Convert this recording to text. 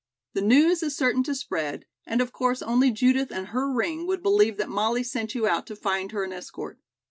The news is certain to spread, and of course only Judith and her ring would believe that Molly sent you out to find her an escort.